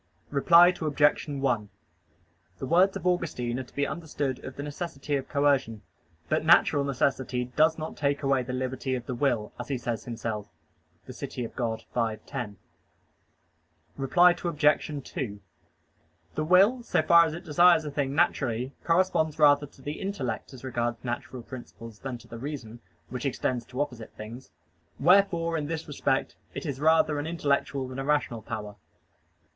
Reply Obj. 1: The words of Augustine are to be understood of the necessity of coercion. But natural necessity "does not take away the liberty of the will," as he says himself (De Civ. Dei v, 10). Reply Obj. 2: The will, so far as it desires a thing naturally, corresponds rather to the intellect as regards natural principles than to the reason, which extends to opposite things. Wherefore in this respect it is rather an intellectual than a rational power.